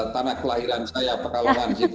tanah kelahiran saya pekalongan situ